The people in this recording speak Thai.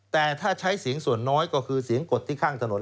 แต่ถ้าใช้เสียงส่วนน้อยก็คือเสียงกดที่ข้างถนน